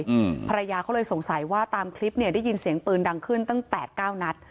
อืมเพราะอย่าเขาเลยสงสัยว่าตามคลิปเนี่ยได้ยินเสียงปืนดังขึ้นตั้ง๘๙นัท